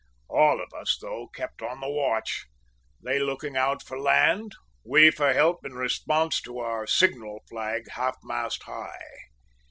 All of us, though, kept on the watch; they looking out for land, we for help in response to our signal flag half mast high.